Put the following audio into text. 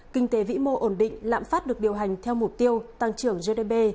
kinh tế vĩ mô ổn định lạm phát được điều hành theo mục tiêu tăng trưởng gdp